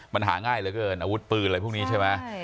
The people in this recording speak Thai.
มันหาง่ายเหลือเกินอาวุธปืนอะไรพวกนี้ใช่ไหม